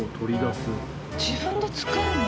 自分で作るの？